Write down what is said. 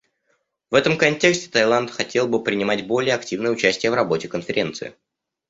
В этом контексте Таиланд хотел бы принимать более активное участие в работе Конференции.